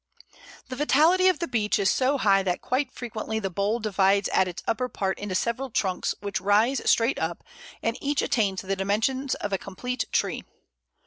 The vitality of the Beech is so high that quite frequently the bole divides at its upper part into several trunks, which rise straight up, and each attains the dimensions of a complete tree.